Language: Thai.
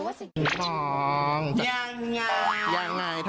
วันนี้เกี่ยวกับกองถ่ายเราจะมาอยู่กับว่าเขาเรียกว่าอะไรอ่ะนางแบบเหรอ